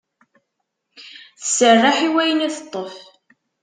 Tserreḥ i wayen i teṭṭef.